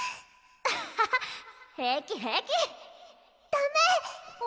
アハハ平気平気ダメ！